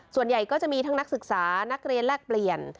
ส่วนใหญ่ก็จะมีทั้งนักศึกษานักเรียนแลกเปลี่ยน